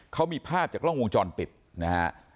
เขามีภาพจากกล้องวงจรปิดนะฮะ